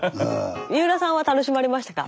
三浦さんは楽しまれましたか？